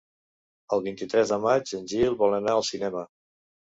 El vint-i-tres de maig en Gil vol anar al cinema.